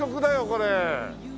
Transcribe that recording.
これ。